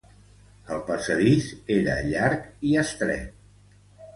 El passadís era llarg i estret.